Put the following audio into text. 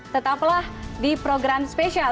tetaplah di program spesial